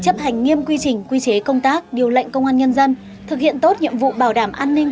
thực hiện tốt nhiệm vụ bảo đảm an ninh quy chế công tác điều lệnh công an nhân dân thực hiện tốt nhiệm vụ bảo đảm an ninh